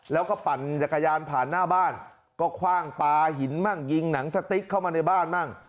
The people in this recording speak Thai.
แล้วก็ปั่นจักรยานผ่านหน้าบ้านก็คว่างปลาหินมั่งยิงหนังสติ๊กเข้ามาในบ้านมั่ง